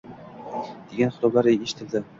degan xitoblari eshitildi